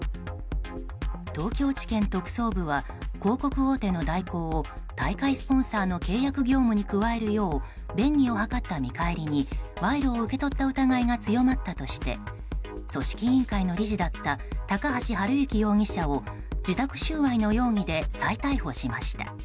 東京地検特捜部は広告大手の大広を大会スポンサーの契約業務に加えるよう便宜を図った見返りに賄賂を受け取った疑いが強まったとして組織委員会の理事だった高橋治之容疑者を受託収賄の容疑で再逮捕しました。